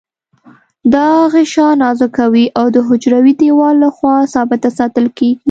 دا غشا نازکه وي او د حجروي دیوال له خوا ثابته ساتل کیږي.